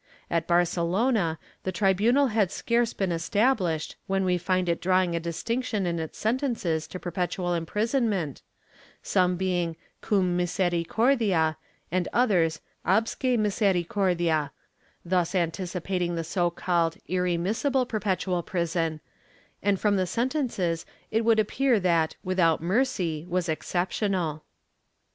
* At Barcelona the tribunal had scarce been established, when we find it drawing a distinction in its sentences to perpetual imprisonment, some being cum misericordia and others absque misericordia — thus anticipating the so called "irre missible" perpetual prison — and from the sentences it would appear that ''without mercy" was exceptional.